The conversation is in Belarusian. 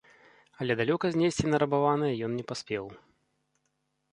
Але далёка знесці нарабаванае ён не паспеў.